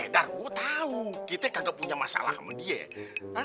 dar gue tau kita gak punya masalah sama dia